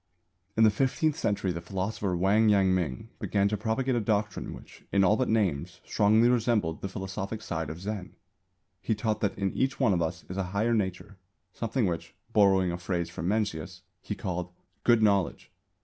In the fifteenth century the philosopher Wang Yang ming began to propagate a doctrine which, in all but names, strongly resembled the philosophic side of Zen. He taught that in each one of us is a "higher nature," something which, borrowing a phrase from Mencius, he called "Good Knowledge."